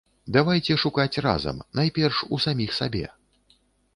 Давайце шукаць разам, найперш, у саміх сабе.